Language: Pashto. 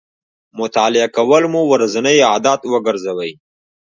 مطالعه کول مو ورځنی عادت وګرځوئ